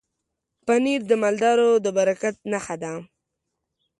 پنېر د مالدارو د برکت نښه ده.